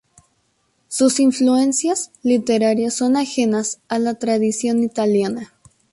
Sus influencias literarias son ajenas a la tradición italiana.